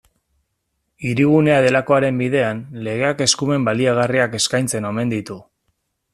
Hirigunea delakoaren bidean, legeak eskumen baliagarriak eskaintzen omen ditu.